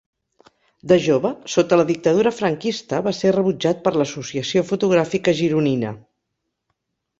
De jove, sota la dictadura franquista va ser rebutjat per l'Associació Fotogràfica Gironina.